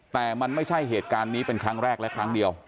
แต่มันไม่ใช่เหตุการณ์นี้เป็นครั้งแรกและครั้งเดียว